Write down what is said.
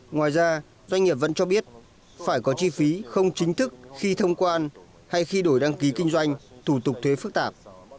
ngoài ra doanh nghiệp vẫn cho biết phải có chi phí không chính thức khi thông quan hay khi đổi đăng ký kinh doanh thủ tục thuế phức tạp